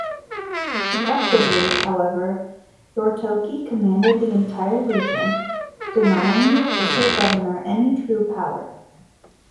Effectively, however, Yoritoki commanded the entire region, denying the official Governor any true power.